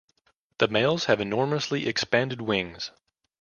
The males have enormously expanded wings.